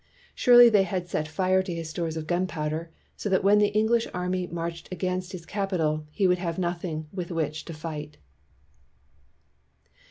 Surely they had set fire to his stores of gunpowder, so that when the English army marched against his capi tal, he would have nothing with which to fight.